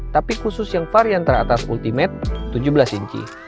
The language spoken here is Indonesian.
tapi khusus yang varian teratas ultimate tujuh belas inci